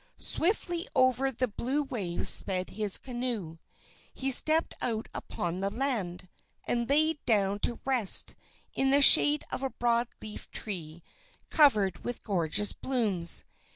Swiftly over the blue waves sped his canoe. He stepped out upon the land, and lay down to rest in the shade of a broad leaved tree covered with gorgeous blooms.